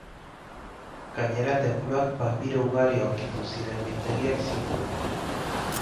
Gainera tenpluak papiro ugari aurkitu ziren biltegiak zituen.